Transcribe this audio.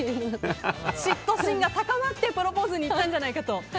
嫉妬心が高まってプロポーズにいったんじゃないかと。